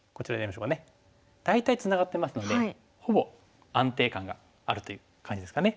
大体ツナがってますのでほぼ安定感があるという感じですかね。